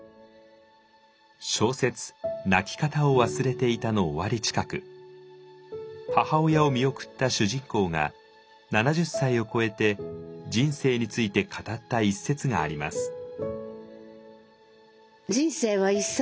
小説「泣きかたをわすれていた」の終わり近く母親を見送った主人公が７０歳を超えて人生について語った一節があります。